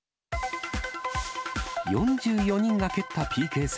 ４４人が蹴ったＰＫ戦。